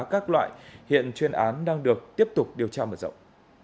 các loại hiện chuyên án đang được tiếp tục điều tra mở rộng